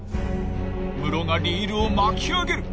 ［ムロがリールを巻き上げる］